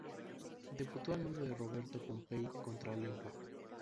Debutó al mando de Roberto Pompei contra Olimpo.